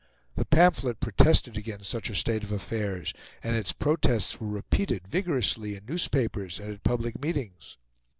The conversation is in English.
The pamphlet protested against such a state of affairs, and its protests were repeated vigorously in newspapers and at public meetings.